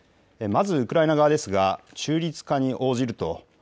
まずウクライナ側ですが中立化に応じると。